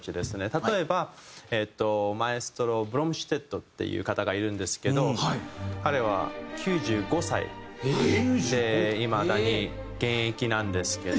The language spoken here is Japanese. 例えばマエストロブロムシュテットっていう方がいるんですけど彼は９５歳でいまだに現役なんですけど。